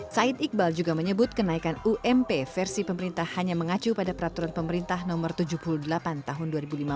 said iqbal juga menyebut kenaikan ump versi pemerintah hanya mengacu pada peraturan pemerintah no tujuh puluh delapan tahun dua ribu lima belas